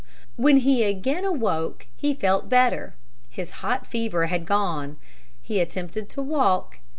When he again awoke he felt better. His hot fever had gone. He attempted to walk.